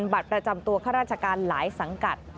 บัตรประจำตัวข้าราชการหลายสังกัด